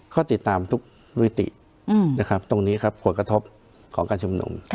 ก็ติดตามทุกวิตินะครับตรงนี้ครับผลกระทบของการชุมนุม